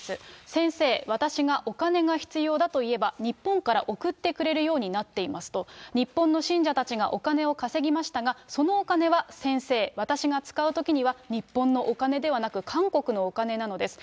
先生、私がお金が必要だと言えば、日本から送ってくれるようになっていますと、日本の信者たちがお金を稼ぎましたが、そのお金は先生、私が使うときには、日本のお金ではなく、韓国のお金なのです。